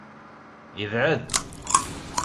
Yebɛed.